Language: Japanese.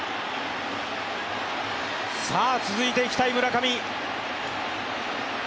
さあ、続いていきたい村上。